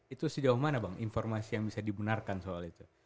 itu sejauh mana bang informasi yang bisa dibenarkan soal itu